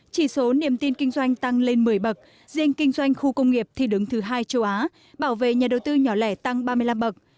chỉ số niềm tin kinh doanh tăng lên một mươi bậc riêng kinh doanh khu công nghiệp thì đứng thứ hai châu á bảo vệ nhà đầu tư nhỏ lẻ tăng ba mươi năm bậc